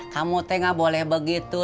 kamu teh gak boleh begitu